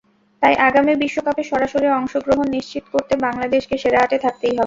তাই আগামী বিশ্বকাপে সরাসরি অংশগ্রহণ নিশ্চিত করতে বাংলাদেশকে সেরা আটে থাকতেই হবে।